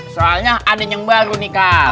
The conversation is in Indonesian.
soalnya adik yang baru nikah